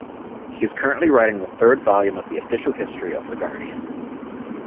He is currently writing the third volume of the official history of "The Guardian".